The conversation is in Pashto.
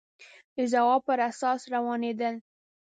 د ځواب پر اساس روانېدل